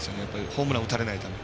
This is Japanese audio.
ホームランを打たれないため。